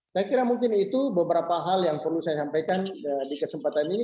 saya kira mungkin itu beberapa hal yang perlu saya sampaikan di kesempatan ini